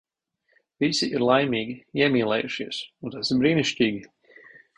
Visi ir laimīgi, iemīlējušies. Un tas ir brīnišķīgi.